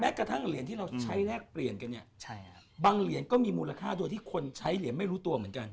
กระทั่งเหรียญที่เราใช้แลกเปลี่ยนกันเนี่ยบางเหรียญก็มีมูลค่าโดยที่คนใช้เหรียญไม่รู้ตัวเหมือนกัน